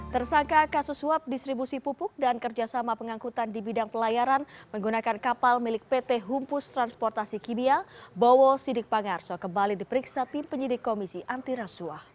tersangka kasus suap distribusi pupuk dan kerjasama pengangkutan di bidang pelayaran menggunakan kapal milik pt humpus transportasi kibia bowo sidikpangarso kembali diperiksa tim penyidik komisi antirasuah